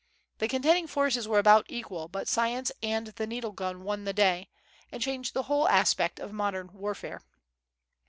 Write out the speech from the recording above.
The contending forces were about equal; but science and the needle gun won the day, and changed the whole aspect of modern warfare.